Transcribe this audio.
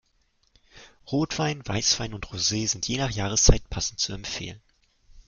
Rotwein, Weißwein und Rosee sind je nach Jahreszeit passend zu empfehlen.